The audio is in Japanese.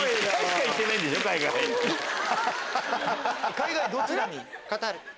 海外どちらに？